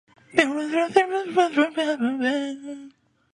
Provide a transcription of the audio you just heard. I don't want to be a bad parent.